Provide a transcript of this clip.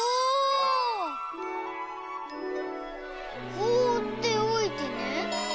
「ほうっておいてね」？